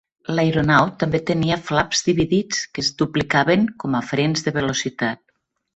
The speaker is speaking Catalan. L'aeronau també tenia flaps dividits, que es duplicaven com a frens de velocitat.